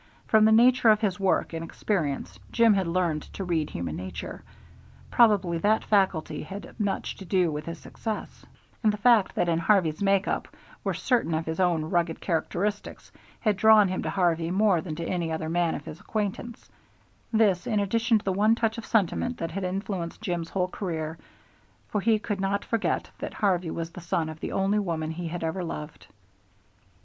From the nature of his work and experience Jim had learned to read human nature, probably that faculty had much to do with his success, and the fact that in Harvey's make up were certain of his own rugged characteristics had drawn him to Harvey more than to any other man of his acquaintance: this in addition to the one touch of sentiment that had influenced Jim's whole career, for he could not forget that Harvey was the son of the only woman he had ever loved.